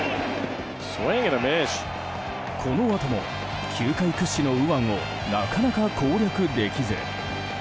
このあとも球界屈指の右腕をなかなか攻略できず。